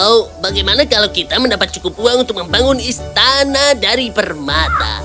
oh bagaimana kalau kita mendapat cukup uang untuk membangun istana dari permata